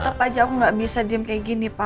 tetep aja aku nggak bisa diem kayak gini pak